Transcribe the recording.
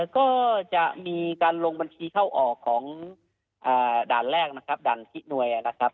ก็จะมีการลงบัญชีเข้าออกของด่านแรกนะครับด่านที่หน่วยนะครับ